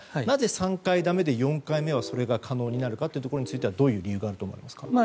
なぜ３回だめで４回目はそれが可能になるかというのはどういう理由があると思いますか？